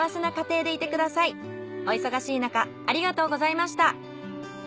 お忙しいなかありがとうございました。